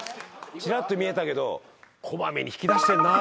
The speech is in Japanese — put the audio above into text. チラッと見えたけど小まめに引き出してんな。